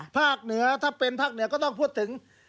ภาคเหนือถ้าเป็นภาคเหนือก็ต้องพูดถึง